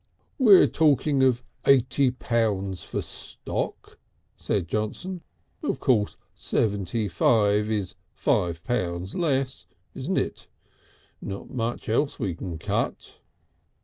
"We were talking of eighty pounds for stock," said Johnson. "Of course seventy five is five pounds less, isn't it? Not much else we can cut."